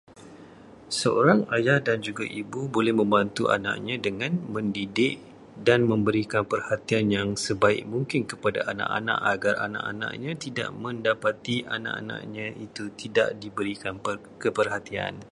Seorang ayah dan juga ibu boleh membantu anaknya dengan mendidik dan memberikan perhatian yang sebaik mungkin kepada anak-anak agar anak-anaknya tidak mendapati anak-anaknya itu tidak diberikan perhatian.